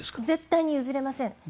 絶対に譲れません。